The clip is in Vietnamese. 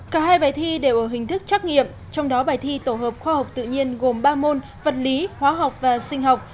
cả hai bài thi đều ở hình thức trắc nghiệm trong đó bài thi tổ hợp khoa học tự nhiên gồm ba môn vật lý hóa học và sinh học